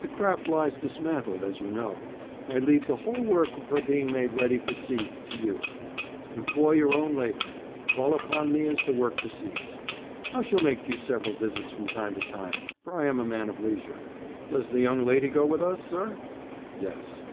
'The craft lies dismantled, as you know. I leave the whole work of her being made ready for sea to you. Employ your own labour. Call upon me as the work proceeds. I shall make you several visits from time to time, for I am a man of leisure.' 'Does the young lady go with us, sir?' 'Yes.'